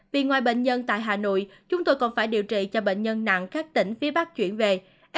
vì ngoài bệnh nhân tại hà nội chúng tôi còn phải điều trị cho bệnh nhân nặng các tỉnh phía bắc chuyển về